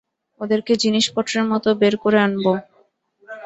ওদেরকে জিনিসপত্রের মতো বের করে আনবো।